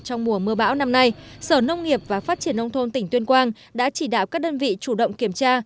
trong mùa mưa bão năm nay sở nông nghiệp và phát triển nông thôn tỉnh tuyên quang đã chỉ đạo các đơn vị chủ động kiểm tra